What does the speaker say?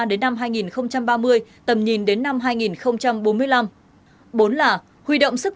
đến năm hai nghìn ba mươi tầm nhìn đến năm hai nghìn bốn mươi năm